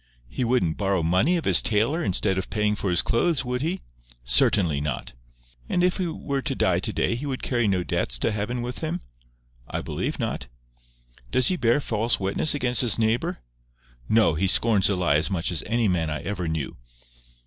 "He wouldn't borrow money of his tailor instead of paying for his clothes, would he?" "Certainly not" "And if he were to die to day he would carry no debts to heaven with him?" "I believe not." "Does he bear false witness against his neighbour?" "No. He scorns a lie as much as any man I ever knew."